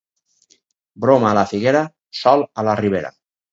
Broma a la Figuera, sol a la Ribera.